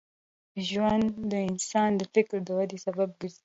ژوند د انسان د فکر د ودې سبب ګرځي.